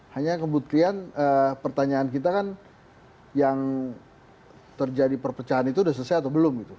hanya kebetulan pertanyaan kita kan yang terjadi perpecahan itu sudah selesai atau belum gitu